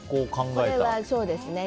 これはそうですね。